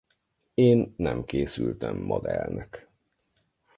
Én nem készültem modellnek.